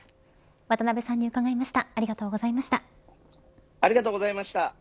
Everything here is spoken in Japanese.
渡辺さんに伺いました。